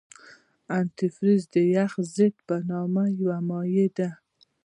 انتي فریز د یخ ضد په نامه یو مایع ده.